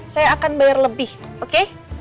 saya akan bayar lebih oke